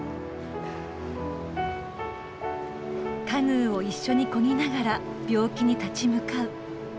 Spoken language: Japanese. カヌーを一緒にこぎながら病気に立ち向かう。